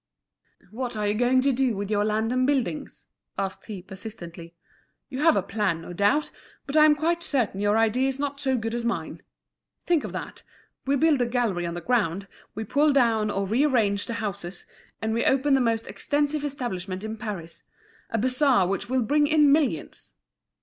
"What are you going to do with your land and buildings?" asked he, persistently. "You have a plan, no doubt. But I'm quite certain your idea is not so good as mine. Think of that. We build a gallery on the ground, we pull down or re arrange the houses, and we open the most extensive establishment in Paris—a bazaar which will bring in millions."